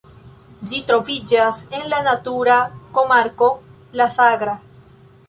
Ĝi troviĝas en la natura komarko La Sagra.